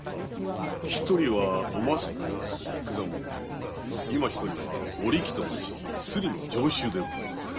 一人はおまさと申すヤクザ者でいま一人はお力と申すスリの常習でございます。